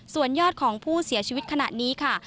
ส่วนยอดของผู้เสียชีวิตขณะนี้ค่ะ